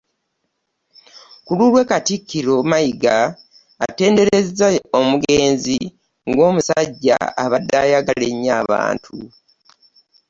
Ku lulwe, Katikkiro Mayiga atenderezza omugenzi ng'omusajja abadde ayagala ennyo abantu